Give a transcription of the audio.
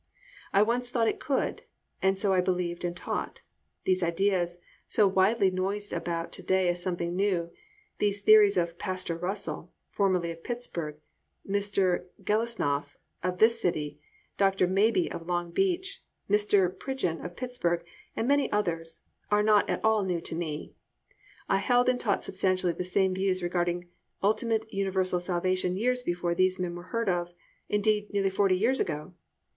I once thought it could, and I so believed and taught. These ideas so widely noised about to day as something new, these theories of "Pastor" Russell, formerly of Pittsburg, Mr. Gelesnoff of this city, and Dr. Mabie of Long Beach, and Mr. Pridgeon of Pittsburg, and many others, are not at all new to me. I held and taught substantially the same views regarding ultimate universal salvation years before these men were heard of, indeed nearly forty years ago.